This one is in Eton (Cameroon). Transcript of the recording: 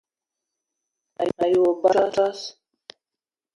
Me yi wa ba a tsoss!